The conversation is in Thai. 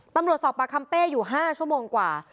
ตำรวจสอบปากคำเป้อยู่๕ชั่วโมงกว่า